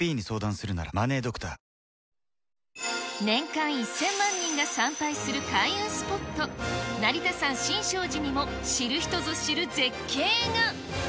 年間１０００万人が参拝する開運スポット、成田山新勝寺にも、知る人ぞ知る絶景が。